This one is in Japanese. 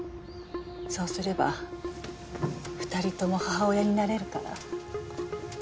そうすれば２人とも母親になれるから。